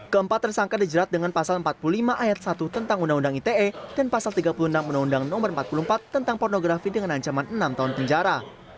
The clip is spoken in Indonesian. keempat tersangka dijerat dengan pasal empat puluh lima ayat satu tentang undang undang ite dan pasal tiga puluh enam undang undang no empat puluh empat tentang pornografi dengan ancaman enam tahun penjara